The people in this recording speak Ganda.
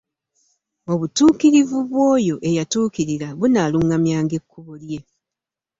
Obutuukirivu bw'oyo eyatuukirira bunaaluŋŋamyanga ekkubo lye.